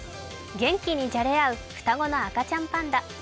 元気にじゃれ合う双子の赤ちゃんパンダ。